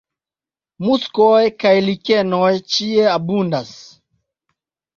Muskoj kaj likenoj ĉie abundas.